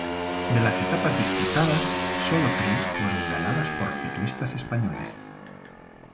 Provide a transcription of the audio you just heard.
De las etapas disputadas, sólo tres fueron ganadas por ciclistas españoles.